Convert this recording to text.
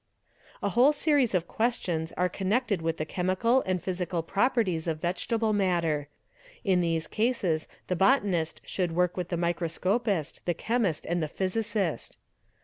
A whole series of questions are connected with the chemical and— physical properties of vegetable matter ; in these cases the botanist should — work with the microscopist, the chemist, and the physicist.